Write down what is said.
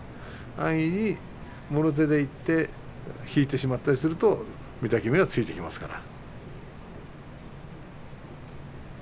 安易に、もろ手でいって引いてしまったりすると御嶽海がきますから。